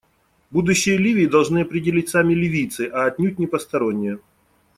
Будущее Ливии должны определить сами ливийцы, а отнюдь не посторонние.